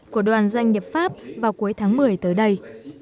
của đoàn doanh nghiệp pháp vào cuối tháng một mươi tới đây